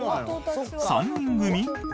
３人組？